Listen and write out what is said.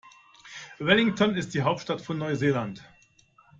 Wellington ist die Hauptstadt von Neuseeland.